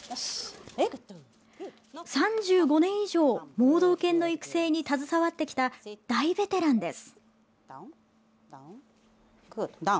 ３５年以上、盲導犬の育成に携わってきた大ベテランです。